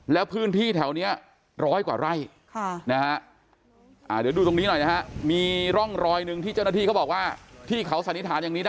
แล้วพื้นที่แถวนี้ร้อยกว่าไร่นะฮะ